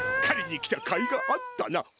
狩りに来たかいがあったな。